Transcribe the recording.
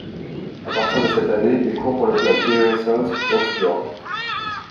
À partir de cette année, il court pour le club E-Racers Augsburg.